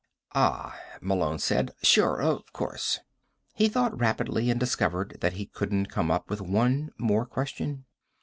"Ah," Malone said. "Sure. Of course." He thought rapidly and discovered that he couldn't come up with one more question.